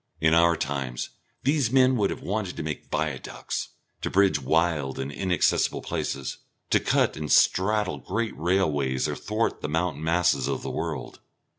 In our times these men would have wanted to make viaducts, to bridge wild and inaccessible places, to cut and straddle great railways athwart the mountain masses of the world.